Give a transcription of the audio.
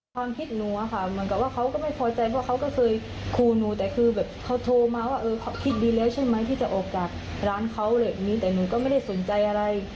ความคิดหนูอะค่ะเหมือนกับว่าเขาก็ไม่พอใจเพราะเขาก็เคยครูหนูแต่คือแบบเขาโทรมาว่าเออเขาคิดดีแล้วใช่ไหมที่จะออกจากร้านเขาอะไรแบบนี้แต่หนูก็ไม่ได้สนใจอะไร